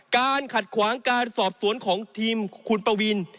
การขัดขวางการสอบสวนของทีมคุณปวิน